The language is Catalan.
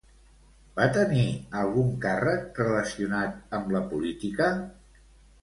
Va tenir algun càrrec relacionat amb la política?